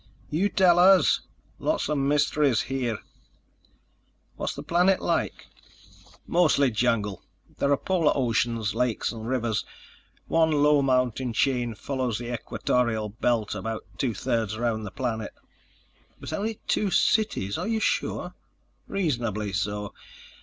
"You tell us. Lots of mysteries here." "What's the planet like?" "Mostly jungle. There are polar oceans, lakes and rivers. One low mountain chain follows the equatorial belt about two thirds around the planet." "But only two cities. Are you sure?" "Reasonably so.